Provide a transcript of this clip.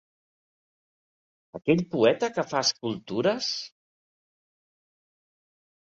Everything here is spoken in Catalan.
Aquell poeta que fa escultures?